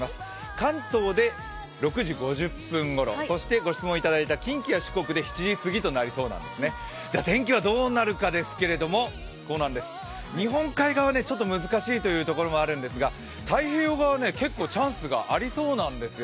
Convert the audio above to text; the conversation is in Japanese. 関東で６時５０分ごろ、そして近畿で７時過ぎとなりそうなんです、天気はどうなるかですけど、こうなんです、日本海側は難しいというところもあるんですが太平洋側は結構チャンスがありそうなんですよ。